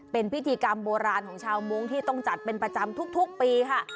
เป็นพิธีกรรมโบราณของชาวมุ้งที่ต้องจัดเป็นประจำทุกปีค่ะ